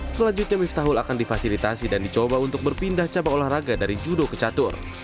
selanjutnya miftahul akan difasilitasi dan dicoba untuk berpindah cabang olahraga dari judo ke catur